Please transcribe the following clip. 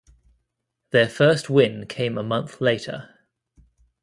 Their first win came a month later.